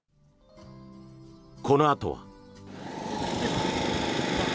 このあとは。